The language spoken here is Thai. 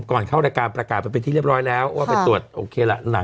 เข้ารายการประกาศไปเป็นที่เรียบร้อยแล้วว่าไปตรวจโอเคละหลัง